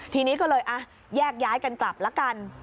ทีนี้ก็เลยแยกย้ายกันกลับละกัน